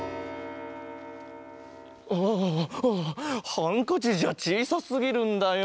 あハンカチじゃちいさすぎるんだよ。